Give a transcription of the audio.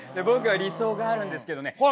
僕は理想があるんですけどね。